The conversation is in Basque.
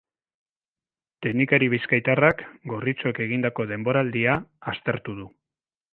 Teknikari bizkaitarrak gorritxoek egindako denboraldia aztertu du.